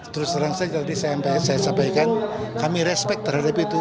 terus terang saya jadi saya sampaikan kami respek terhadap itu